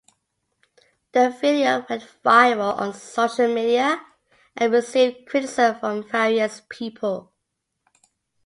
The video went viral on social media and received criticism from various people.